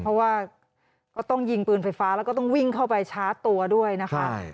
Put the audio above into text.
เพราะว่าก็ต้องยิงปืนไฟฟ้าแล้วก็ต้องวิ่งเข้าไปชาร์จตัวด้วยนะคะ